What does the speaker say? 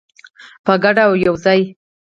په ګډه او یوځای.